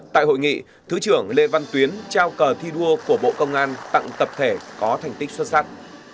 tại hội nghị thứ trưởng lê văn tuyến trao cờ thi đua của bộ công an tặng tập thể có thành tích xuất sắc